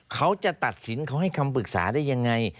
เขาจะตัดสินเขาให้คำปรึกษาได้ยังไง